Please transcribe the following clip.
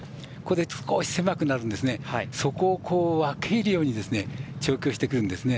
少し狭くなるときそこを分け入るように調教してくるんですね。